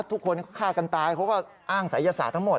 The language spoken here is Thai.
ทุกคนฆ่ากันตายเขาก็อ้างศัยศาสตร์ทั้งหมด